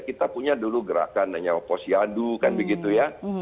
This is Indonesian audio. kita punya dulu gerakan yang posyadu kan begitu ya